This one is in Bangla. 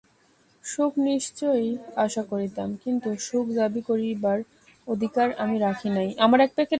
সুখ নিশ্চয়ই আশা করিতাম, কিন্তু সুখ দাবি করিবার অধিকার আমি রাখি নাই।